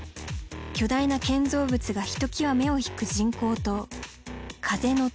巨大な建造物がひときわ目を引く人工島風の塔。